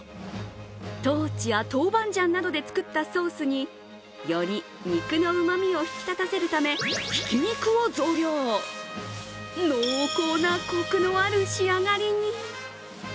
トウチやトウバンジャンなどで作ったソースにより肉のうまみを引き立たせるためひき肉を増量、濃厚なコクのある仕上がりに。